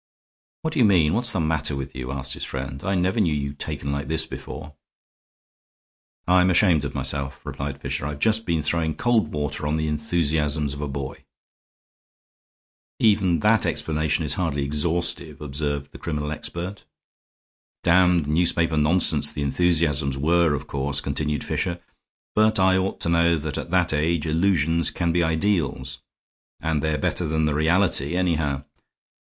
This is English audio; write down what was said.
"What do you mean? What's the matter with you?" asked his friend. "I never knew you taken like this before." "I'm ashamed of myself," replied Fisher. "I've just been throwing cold water on the enthusiasms of a boy." "Even that explanation is hardly exhaustive," observed the criminal expert. "Damned newspaper nonsense the enthusiasms were, of course," continued Fisher, "but I ought to know that at that age illusions can be ideals. And they're better than the reality, anyhow.